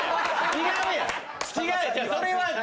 違うやん！